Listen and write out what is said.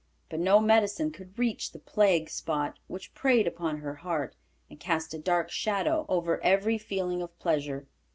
But no medicine could reach the plague spot which preyed upon her heart and cast a dark shadow over every feeling of pleasure.